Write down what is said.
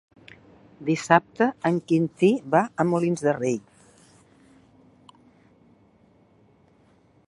Dissabte en Quintí va a Molins de Rei.